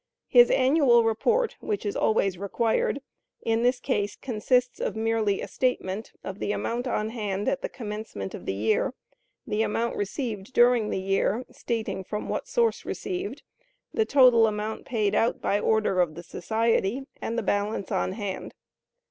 His annual report, which is always required, in this case consists of merely a statement of the amount on hand at the commencement of the year, the amount received during the year (stating from what source received), the total amount paid out by order of the society, and the balance on hand.